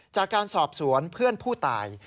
จากการสอบสวนเพื่อนผู้ตาย